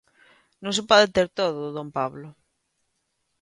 Non se pode ter todo, don Pablo.